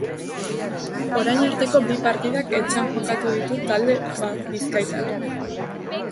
Orain arteko bi partidak etxean jokatu ditu talde bizkaitarrak.